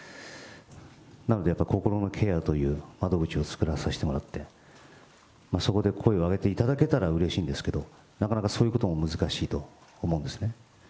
なのでやっぱり心のケアという窓口を作らさせてもらって、そこで声を上げていただけたらうれしいんですけど、なかなかそういうことも難しいと思うんですね。